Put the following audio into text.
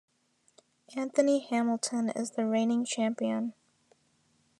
Anthony Hamilton is the reigning champion.